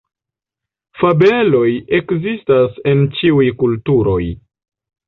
Fabeloj ekzistas en ĉiuj kulturoj.